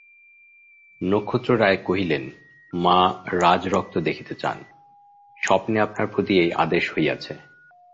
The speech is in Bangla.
নক্ষত্ররায় কহিলেন, মা রাজরক্ত দেখিতে চান, স্বপ্নে আপনার প্রতি এই আদেশ হইয়াছে।